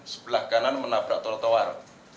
sebelah kanan menabrak trotoar